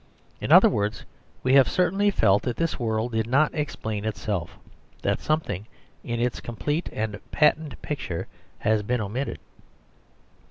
In other words, we have certainly felt that this world did not explain itself, that something in its complete and patent picture has been omitted.